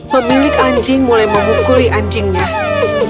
pemilik anjing mulai memukuli anjingnya